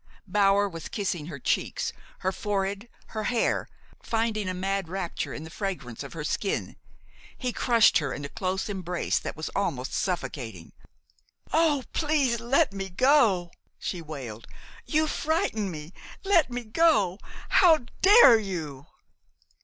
Bower was kissing her cheeks, her forehead, her hair, finding a mad rapture in the fragrance of her skin. He crushed her in a close embrace that was almost suffocating. "Oh, please let me go!" she wailed. "You frighten me. Let me go! How dare you!"